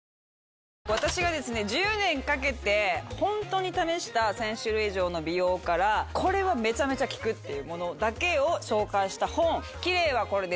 私が１０年かけて本当に試した１０００種類以上の美容からこれはめちゃめちゃ効くってものだけを紹介した本。